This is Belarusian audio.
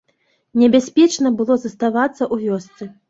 Небяспечна было заставацца ў вёсцы.